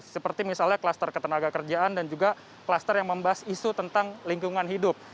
seperti misalnya kluster ketenaga kerjaan dan juga kluster yang membahas isu tentang lingkungan hidup